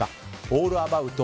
オールアバウト